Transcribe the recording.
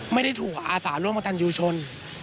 ไม่ได้ถูกอาสาร่วมกับตันยูชน